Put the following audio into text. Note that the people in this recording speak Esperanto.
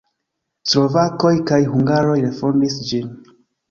Slovakoj kaj hungaroj refondis ĝin.